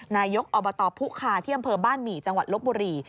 นายกอบตพุคาที่อำเภอบ้านหมี่จังหวัดลบบุรี